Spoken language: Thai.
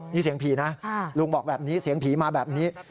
นี่เสียงผีนะลุงบอกแบบนี้เสียงผีมาแบบนี้